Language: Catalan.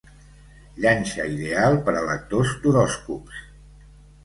Llanxa ideal per a lectors d'horòscops.